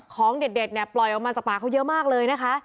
ของเด็ดเนี่ยปล่อยออกมาจากป่าเขาเยอะมากเลยนะคะ